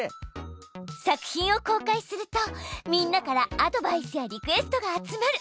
作品を公開するとみんなからアドバイスやリクエストが集まる。